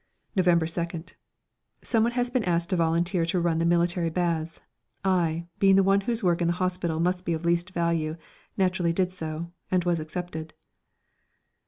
November 2nd. Someone has been asked to volunteer to run the military baths. I, being the one whose work in hospital must be of least value, naturally did so, and was accepted.